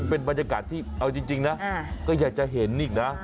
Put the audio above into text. เป็นบรรยากาศที่เอาจริงนะก็อยากจะเห็นอีกนะ